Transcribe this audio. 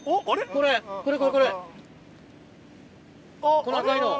これこれ。